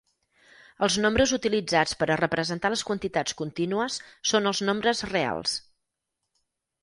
Els nombres utilitzats per a representar les quantitats contínues són els nombres reals.